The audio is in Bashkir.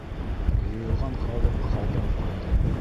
Йыйылған халыҡ хайран ҡалды: